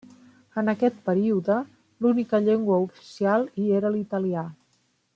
En aquest període l'única llengua oficial hi era l'italià.